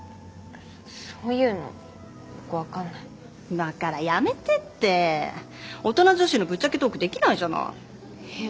そういうのよくわかんないだからやめてってオトナ女子のぶっちゃけトークできないじゃないえっ